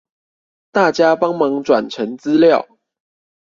大家幫忙轉成資料